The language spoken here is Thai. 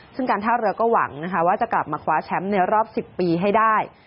ซึ่งการท่าเรือก็หวังนะคะว่าจะกลับมาคว้าแชมป์ในรอบ๑๐ปีให้ได้